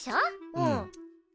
うん。